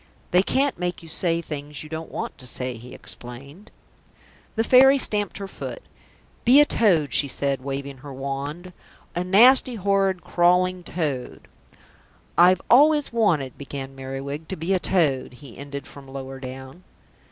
"They can't make you say things you don't want to say," he explained. The Fairy stamped her foot. "Be a toad," she said, waving her wand. "A nasty, horrid, crawling toad." "I've always wanted " began Merriwig "to be a toad," he ended from lower down.